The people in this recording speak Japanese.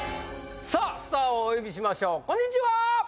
さあスターをお呼びしましょうこんにちは！